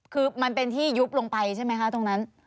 คือมันเป็นที่ยุบลงไปใช่ไหมคะตรงนั้น